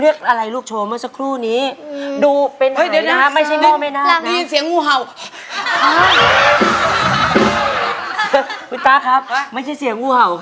สวยมากครับสวย